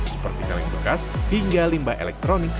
seperti kaleng bekas hingga limbah elektronik